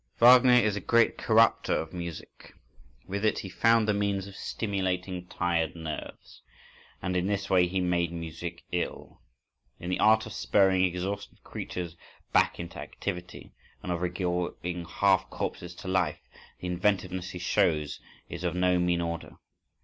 Wagner is a great corrupter of music. With it, he found the means of stimulating tired nerves,—and in this way he made music ill. In the art of spurring exhausted creatures back into activity, and of recalling half corpses to life, the inventiveness he shows is of no mean order.